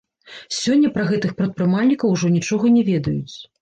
Сёння пра гэтых прадпрымальнікаў ужо нічога не ведаюць.